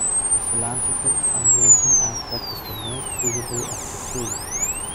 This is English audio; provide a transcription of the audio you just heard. The philanthropic fundraising aspect is the most visible of the three.